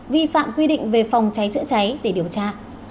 vi phạm quy định về phòng cháy chữa cháy để điều tra